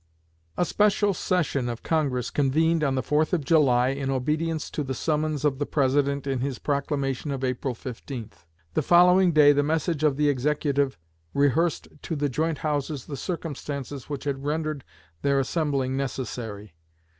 A special session of Congress convened on the 4th of July, in obedience to the summons of the President in his proclamation of April 15. The following day the message of the Executive rehearsed to the joint Houses the circumstances which had rendered their assembling necessary.